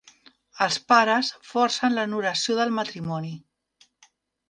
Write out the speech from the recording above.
Els pares forcen l'anul·lació del matrimoni.